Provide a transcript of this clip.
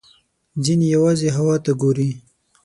ځینې یوازې هوا ته ګوري.